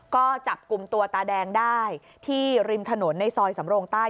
ก็จับกลุ่มตัวตาแดงได้ที่ริมถนนในซอยสำโรงใต้